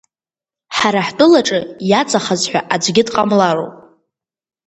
Ҳара ҳтәылаҿы иаҵахаз ҳәа аӡгьы дҟамлароуп.